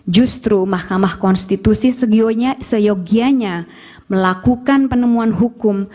justru mahkamah konstitusi seyogianya melakukan penemuan hukum